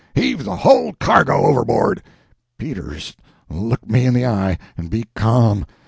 Heave the whole cargo overboard!" Peters, look me in the eye, and be calm.